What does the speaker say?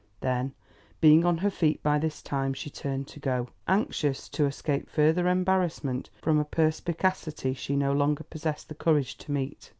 Then, being on her feet by this time, she turned to go, anxious to escape further embarrassment from a perspicacity she no longer possessed the courage to meet.